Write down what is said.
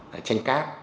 là chanh cát